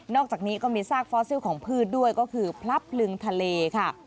อกจากนี้ก็มีซากฟอสซิลของพืชด้วยก็คือพลับพลึงทะเลค่ะ